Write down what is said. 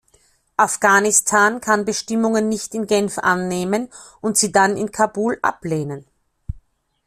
Afghanistan kann Bestimmungen nicht in Genf annehmen und sie dann in Kabul ablehnen.